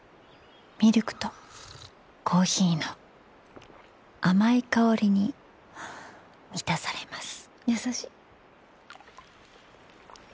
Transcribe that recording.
ミルクとコーヒーの甘い香りに満たされますやさしっ。